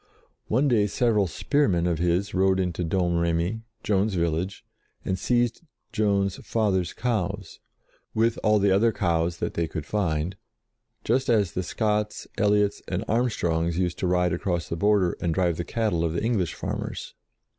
One day several spearmen of his rode into Domremy, Joan's village, and seized Joan's father's cows, with all the other cows that they could find, just as the Scotts, Elliots, and Armstrongs used to ride across the Border and drive the cattle of the English farmers.